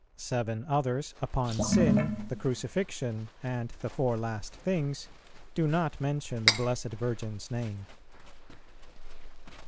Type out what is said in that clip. Seven others, upon sin, the Crucifixion, and the Four Last Things, do not mention the Blessed Virgin's name.